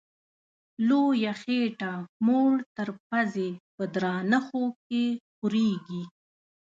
لویه خېټه موړ تر پزي په درانه خوب کي خوریږي